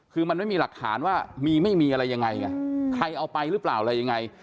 คือมันไม่มีหลักฐานว่ามีไม่มีอะไรยังไงไงใครเอาไปหรือเปล่าอะไรยังไง